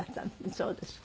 そうですか。